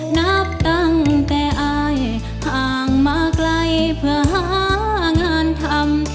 นับตั้งแต่อายห่างมาไกลเพื่อหางานทำ